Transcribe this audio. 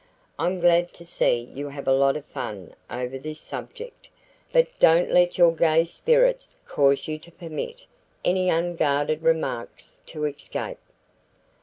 I'm glad to see you have a lot of fun over this subject, but don't let your gay spirits cause you to permit any unguarded remarks to escape."